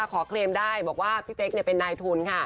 ขอเคลมได้ว่าพี่เมคเป็นนัยทุน